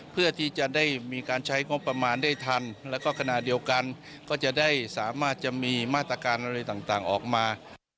เพื่อที่จะได้มีการใช้งบประมาณได้ทันแล้วก็ขณะเดียวกันก็จะได้สามารถจะมีมาตรการอะไรต่างออกมา